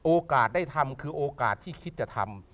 โอกาสได้ทำคือโอกาสที่คิดจะทำ